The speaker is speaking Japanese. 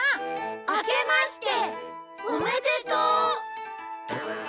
あけましておめでとう！